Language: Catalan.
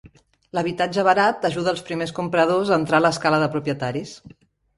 L'habitatge barat ajuda als primers compradors a entrar a l'escala de propietaris.